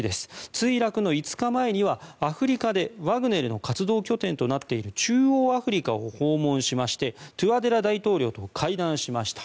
墜落の５日前にはアフリカでワグネルの活動拠点となっている中央アフリカを訪問しましてトゥアデラ大統領と会談しました。